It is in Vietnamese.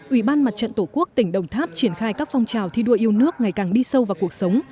ủy ban mặt trận tổ quốc tỉnh đồng tháp triển khai các phong trào thi đua yêu nước ngày càng đi sâu vào cuộc sống